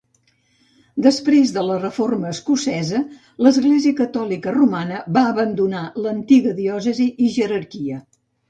Després de la reforma escocesa, l'església catòlica romana va abandonar l'antiga diòcesi i jerarquia.